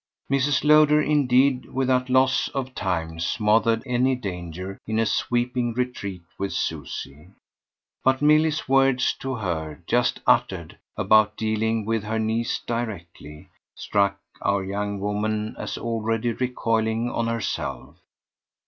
Mrs. Lowder indeed without loss of time smothered any danger in a sweeping retreat with Susie; but Milly's words to her, just uttered, about dealing with her niece directly, struck our young woman as already recoiling on herself.